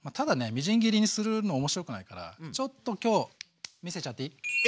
みじん切りにするの面白くないからちょっと今日見せちゃっていい？